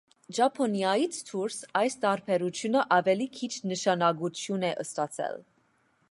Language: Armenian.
Ճապոնիայից դուրս այս տարբերությունը ավելի քիչ նշանակություն է ստացել։